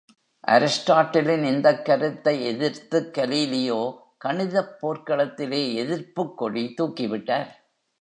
அரிஸ்டாட்டிலின் இந்தக் கருத்தை எதிர்த்துக் கலீலியோ கணிதப் போர்க்களத்திலே எதிர்ப்புக் கொடி தூக்கிவிட்டார்.